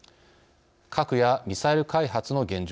核やミサイル開発の現状。